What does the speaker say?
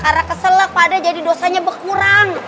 karena keselak pade jadi dosanya berkurang